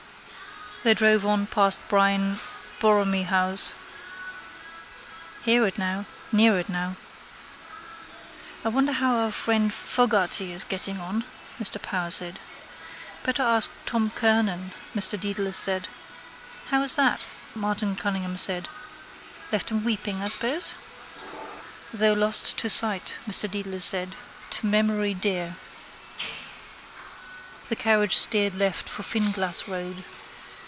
They drove on past Brian Boroimhe house. Near it now. —I wonder how is our friend Fogarty getting on, Mr Power said. —Better ask Tom Kernan, Mr Dedalus said. —How is that? Martin Cunningham said. Left him weeping, I suppose? —Though lost to sight, Mr Dedalus said, to memory dear. The carriage steered left for Finglas road.